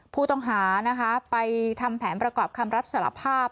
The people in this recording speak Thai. ผู้ต้องหานะคะไปทำแผนประกอบคำรับสารภาพ